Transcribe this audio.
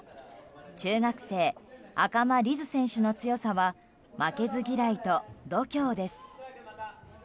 中学生・赤間凛音選手の強さは負けず嫌いと度胸です。